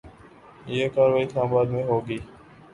یہ کارروائی اسلام آباد میں ہو گی۔